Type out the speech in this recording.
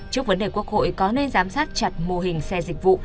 trước vấn đề quốc hội có nên giám sát chặt mô hình xe dịch vụ